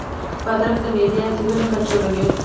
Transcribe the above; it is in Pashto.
بادرنګ د معدې اسیدونه کنټرولوي.